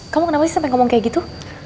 kamu kenapa sih sampai ngomong kayak gitu